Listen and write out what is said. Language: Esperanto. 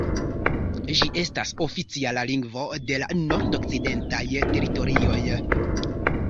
Ĝi estas oficiala lingvo de la Nordokcidentaj Teritorioj.